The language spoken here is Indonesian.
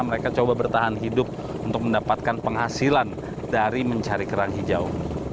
mereka coba bertahan hidup untuk mendapatkan penghasilan dari mencari kerang hijau